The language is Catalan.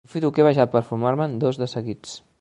Aprofito que he baixat per fumar-me'n dos de seguits.